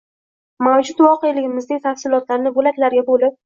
Mavjud voqeligimizning tafsilotlarini bo‘laklarga bo‘lib